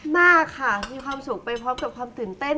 มากค่ะมีความสุขไปพร้อมกับความตื่นเต้น